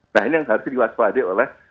nah ini yang harus diwaspadai oleh